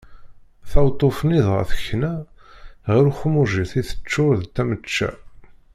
Taweṭṭuft-nni dɣa tekna, ɣer uxemmuj-is i teččur d tamečča.